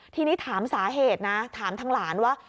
ทีนี้ถามสาเหตุนะถามทางหลานว่า